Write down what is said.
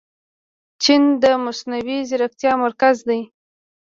چین د مصنوعي ځیرکتیا مرکز دی.